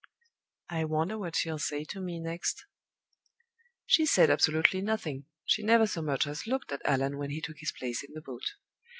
"I wonder what she'll say to me next?" She said absolutely nothing; she never so much as looked at Allan when he took his place in the boat.